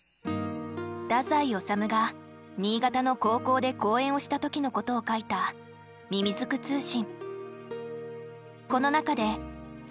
太宰治が新潟の高校で講演をした時のことを書いた「みみずく通信」。